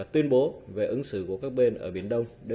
tuyên bố về ứng xử của các bên ở biển đông